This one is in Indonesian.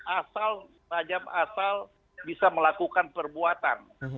asal rajab asal bisa melakukan perbuatan